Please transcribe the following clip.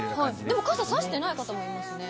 でも傘差してない方もいますね。